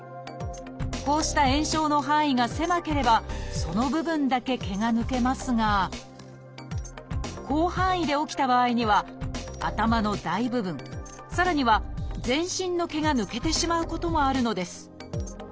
こうした炎症の範囲が狭ければその部分だけ毛が抜けますが広範囲で起きた場合には頭の大部分さらには全身の毛が抜けてしまうこともあるのです。